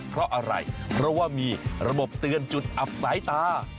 เพราะอะไรเพราะว่ามีระบบเตือนจุดอับสายตา